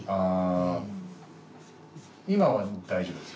今は大丈夫ですか？